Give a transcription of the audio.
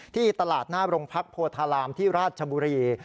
ที่ตลาดหน้าโรงพักโพธารามที่ราชบุรี